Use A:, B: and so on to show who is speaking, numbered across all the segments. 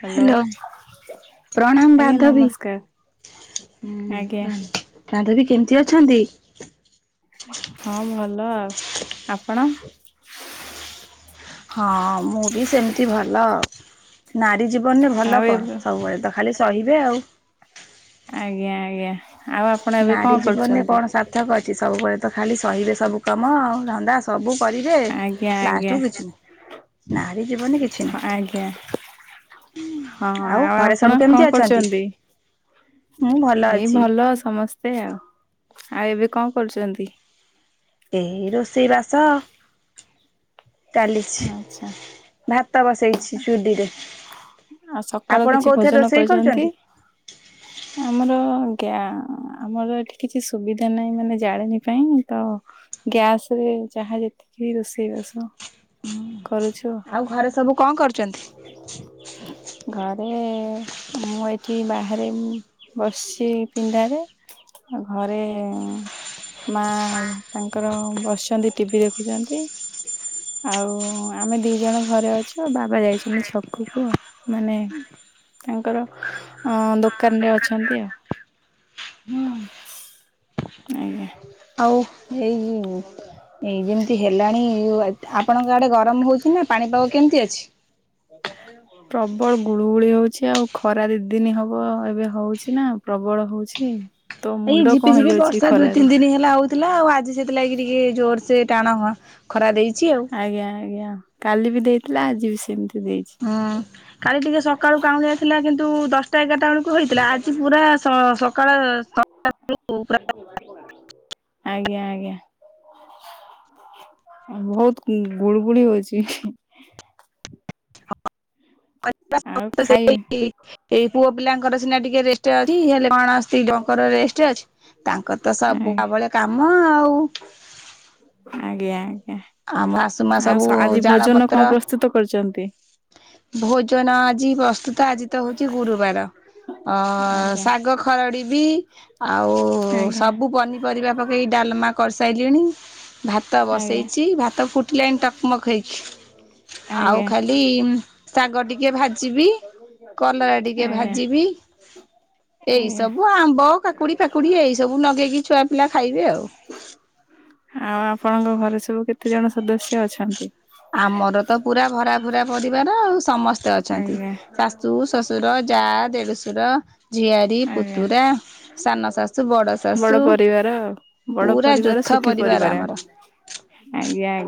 A: Hello
B: hello
A: ଆଜ୍ଞା ନମସ୍କାର। ଆଜ୍ଞା
B: ହୁଁ ବାନ୍ଧବୀ କେମିତି ଅଛନ୍ତି?
A: ହଁ ଭଲ ଆଉ ଆପଣ।
B: ହଁ ମୁଁ ବି ସେମିତି ଭଲ। ନାରୀ ଜୀବନରେ ଭଲ
A: ଆଉ
B: କଣ
A: ଏବେ
B: ସବୁବେଳେ ତ ଖାଲି ସହିବେ ଆଉ।
A: ଆଜ୍ଞା-ଆଜ୍ଞା।
B: ନାରୀ ଜୀବନ ରେ କଣ ସାର୍ଥକ ଅଛି ସବୁବେଳେ ତ ଖାଲି ସହିବେ ସବୁ କାମ ଆଉ ଧନ୍ଦା ସବୁ କରିବେ
A: ଆଜ୍ଞା ଆଜ୍ଞା
B: ଲାଷ୍ଟକୁ କିଛି ନାହିଁ। ନାରୀ ଜୀବନରେ କିଛି ନାହିଁ।
A: ଆଜ୍ଞା ହଁ ଆଉ
B: ଘରେ ସବୁ
A: ଆପଣ
B: କେମିତି
A: କଣ
B: ଅଛନ୍ତି
A: କରୁଛନ୍ତି?
B: ମୁଁ ଭଲ
A: ଏଇ
B: ଅଛି
A: ଭଲ ସମସ୍ତେ ଆଉ ଆଉ ଏବେ କଣ କରୁଛନ୍ତି?
B: ଏଇ ରୋଷେଇ ବାସ ଚାଲିଛି
A: ଆଚ୍ଛା
B: ଭା ଭାତ ବସେଇଚି ଚୁଲିରେ।
A: ଆଉ ସକାଳୁ
B: ଆପଣ
A: କିଛି
B: କୋଉଥିରେ
A: ଭୋଜନ
B: ରୋଷେଇ
A: କରିଛନ୍ତି
B: କରୁଛନ୍ତି
A: ଆମର [unintelligible] ଆମର ଏଠି କିଛି ସୁବିଧା ନାହିଁ ମାନେ ଜାଣୀଣୀ ପାଇଁ ତ ଗ୍ୟାସ ରେ ଯାହା ଯେତିକି ବି ରୋଷେଇ ବାସ
B: ହୁଁ। ଆଉ ଘରେ ସବୁ କଣ କରୁଛନ୍ତି?
A: ଘରେ ମୁଁ ଏଠି ବାହାରେ ବସି ପିଣ୍ଡାରେ ଆ ଘରେ ମା ଆଉ ତାଙ୍କର ବସିଛନ୍ତି ଟିଭି ଦେଖୁଛନ୍ତି। ଆଉ ଆମେ ଦି ଜଣ ଘରେ ଅଛୁ ବାବା ଯାଇଛନ୍ତି ଛକକୁ ମାନେ ତାଙ୍କର ଅ ଦୋକାନ ରେ ଅଛନ୍ତି ଆଉ। ଆଜ୍ଞା।
B: ଆଉ ଏଇ ଏ ଯେମିତି ହେଲାଣି ଆପଣଙ୍କ ଆଡେ ଗରମ ହଉଛି ନା ପାଣିପାଗ କେମିତି ଅଛି?
A: ପ୍ରବଳ ଗୁଳୁଗୁଳି ହଉଛି ଆଉ ଖରା ଦି ଦିନି ହବ ଏବେ ହଉଛି ନା ପ୍ରବ ପ୍ରର୍ବଳ ହଉଛି। ତ
B: ଏଇ
A: ମୁଣ୍ଡ କଣ
B: ଝିପିଝିପି
A: ହେଇଯାଉଛି
B: ବର୍ଷା ଦୁଇ
A: ଖରାରେ
B: ତିନି ଦିନ ହେଲା ହଉଥିଲା ଆଉ ଆଜି ସେଥିଲାଗି ଟିକେ ଜୋର୍ ସେ ଟାଣ ହ
A: ଆଜ୍ଞା-ଆଜ୍ଞା କାଲି ବି ଦେଇଥିଲା ଆଜି ବି ସେମିତି। ଦେଇଛି
B: ହୁଁ କାଲି ଟିକେ ସକାଳୁ କାଉଁଡି ଆସଥିଲା କିନ୍ତୁ ଦଶଟା ଏଗାର ଟା ବେଳକୁ ହେଇଥିଲା ଆଜି ପୁରା ସ ସକାଳ ସ
A: ଆଜ୍ଞା-ଆଜ୍ଞା। ବହୁତୁ ଗୁଳି ଗୁଳି ହଉଚି। ଆଉ
B: [unintelligible]
A: ଖାଇ
B: ଏଇ ପୁଅ ପିଲାଙ୍କର ସିନା ଟିକେ ରେ ହେଲେ କଣ ସ୍ତ୍ରୀ ଲୋକଙ୍କର ରେଷ୍ଟେ ଅଛି ତାଙ୍କର ତ ସବୁବେଳେ କାମ ହଁ ଆଉ
A: ଆଜ୍ଞା।
B: ଆମ ଶାଶୁ ମା
A: ଆ
B: ସବୁ
A: ଆଉ ଆଜି
B: ଜାଳ
A: ଭୋଜନ
B: ପତ୍ର
A: କଣ ପ୍ରସ୍ତୁତ କରିଛନ୍ତି?
B: ଭୋଜନ ଆ ଜି ପ୍ରସ୍ତୁତ ଆଜି ତ ହଉଛି ଗୁରୁବାର ଅ
A: ଆଜ୍ଞା
B: ଶାଗ ଖରଡ଼ି ବି ଆଉ ଉ
A: ଆଜ୍ଞା
B: ସବୁ ପନିପରିବା ପକେଇ ଡାଲମା କରିସାଇଲିିଣି। ଭାତ
A: ଆଜ୍ଞା
B: ବସେଇ ଚି ଭାତ ଫୁଟିଲାଣି ଟକମକ ହେଇକି। ଆଉ
A: ଆଜ୍ଞା ଆଜ୍ଞା
B: ଖାଲି ଉମ ଶାଗ ଟିକେ ଭାଜିବି କଲରା ଟିକେ ଭାଜିବି। ଏଇ
A: ଆଜ୍ଞା
B: ସବୁ ଆମ୍ବ କାକୁଡି ଫାକୁଡି ଏଇ ସବୁ ଲଗେଇକି ଛୁଆ ପିଲା ଖାଇବେ ଆଉ।
A: ଆଉ ଆପଣଙ୍କ ଘରେ ସବୁ କେତେ ଜଣ ସଦସ୍ୟ ଅଛନ୍ତି?
B: ଆମର ତ ପୁରା ଭରାଭରା ପରିବାର ଆଉ ସମସ୍ତେ ଅଛନ୍ତି
A: ଆଜ୍ଞା
B: ଶାଶୁ ଶଶୁର ଯା, ଦେଡୁସୁର, ଝିଆରୀ,
A: ଆଜ୍ଞା
B: ପୁତୁରା ସାନ ଶାଶୁ ବଡ ଶାଶୁ
A: ପରିବାର ଆଉ ବଡ
B: ପୁରା
A: ପରିବାର
B: ଯୋଥା
A: ସୁଖୀ
B: ପରିବାର ଆମର।
A: ଆଜ୍ଞା ଆ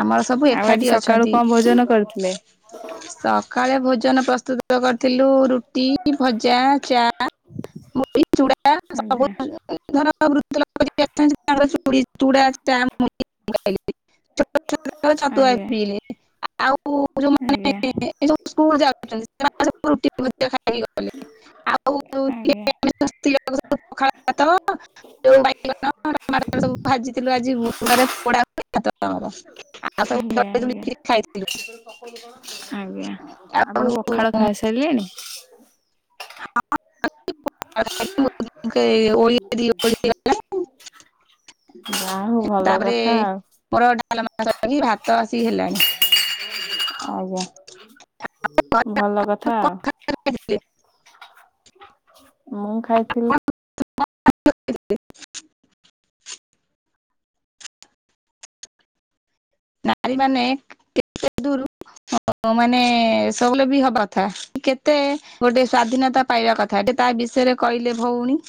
B: ଆମର ସବୁ
A: ଆଉ
B: ଏକାଠି
A: ଆଜି ସକାଳୁ
B: ଅଛନ୍ତି
A: କଣ ଭୋଜନ କରିଥିଲେ?
B: ସକାଳେ ଭୋଜନ ପ୍ରସ୍ତୁତ କରିଥିଲୁ ରୁଟି ଭଜା ଚା ଚା ମୁଢି ଚୁଡା ସବୁ
A: ଆଜ୍ଞା
B: [inaudible] [unintelligible] ଛୋଟ ଛୋଟ ଛୁଆ ଛତୁଆ
A: ଆଜ୍ଞା
B: ପିଇଲେ ଆଉ ଯୋଉମାନେ
A: ଆଜ୍ଞା
B: ଏ ଯୋଉଁ ସ୍କୁଲ ଯାଉଛନ୍ତି [inaudible]
A: ଆଜ୍ଞା।
B: [unintelligible]
A: ଆଜ୍ଞା ଆଜ୍ଞା। ଆଜ୍ଞା
B: [unintelligible]
A: ଆପଣ ପଖାଳ ଖାଇସାରିଲେଣି?
B: [inaudible] [unintelligible]
A: ଯା ହଉ ଭଲ
B: ତାପରେ
A: କଥା ଆଉ
B: ମୋର ଡାଲମା ସରିଲାଣି ଭାତ ଆସି ହେଲାଣି।
A: ଆଜ୍ଞା
B: ଘରେ
A: ଭଲ କଥା ଆଉ।
B: ଖାଇଥିଲେ।
A: ମୁଁ ଖାଇଥିଲି
B: [unintelligible] ନାରୀମାନେ କେତେ ଦୂରୁ ହ ମାନେ ସବୁଳେ ବି ହବା କଥା କେତେ ଗୋଟେ ସ୍ଵାଧୀନତା ପାଇବା କଥା ତା ବିଷୟରେ କହିଲେ ଭଉଣୀ